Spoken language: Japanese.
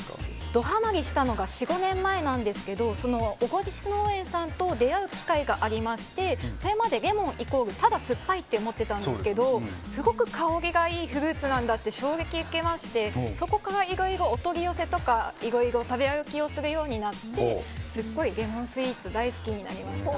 ドハマリしたのが４５年前なんですけど農園さんと出会う機会がありましてそれまでレモンイコールただ酸っぱいと思っていたんですがすごく香りのいいフルーツなんだと衝撃を受けましてそこからいろいろお取り寄せとか食べ歩きするようになってすごいレモンスイーツ大好きになりました。